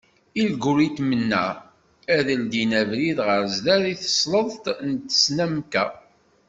Ilguritmen-a, ad d-ldin abrid ɣer sdat i tesleḍt n tesnamka.